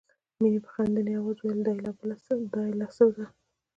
مينې په خندني آواز وویل دا یې لا بله څه ده